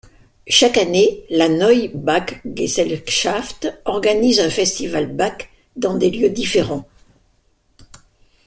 Chaque année, la Neue Bachgesellschaft organise un festival Bach dans des lieux différents.